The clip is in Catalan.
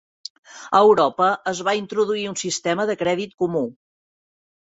A Europa es va introduir un sistema de crèdit comú.